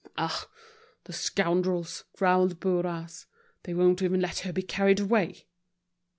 "Ah! the scoundrels," growled Bourras, "they won't even let her be carried away."